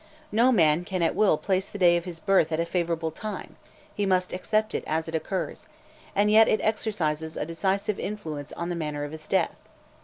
No man can at will place the day of his birth at a favourable time; he must accept it as it occurs, and yet it exercises a decisive influence on the manner of his death.